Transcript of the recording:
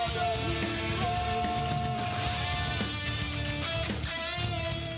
สวัสดีครับ